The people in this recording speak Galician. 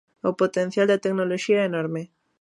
O potencial da tecnoloxía é enorme.